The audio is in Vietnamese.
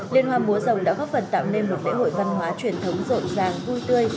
liên hoa múa rồng đã góp phần tạo nên một lễ hội văn hóa truyền thống rộn ràng vui tươi